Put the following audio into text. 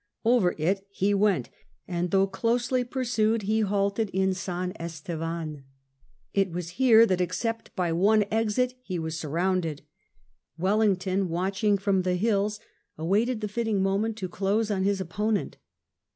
Over it he went, and though closely pursued he halted in San Estevan. VIII PURSUED TO THE BIDASSOA 185 It was here that except by one exit he was surrounded. Wellington, watching from the hills, awaited the fitting moment to close on his opponent.